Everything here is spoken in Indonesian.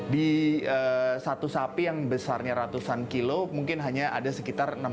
di satu sapi yang besarnya ratusan kilo mungkin hanya ada sekitar